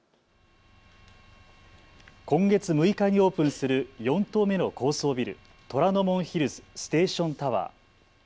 今月６日にオープンする４棟目の高層ビル、虎ノ門ヒルズステーションタワー。